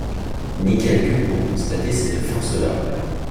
ni calculs pour constater cette force-là.